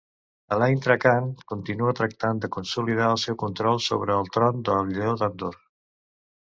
Elayne Trakand continua tractant de consolidar el seu control sobre el Tron del Lleó d'Andor.